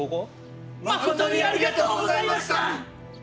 まことにありがとうございました！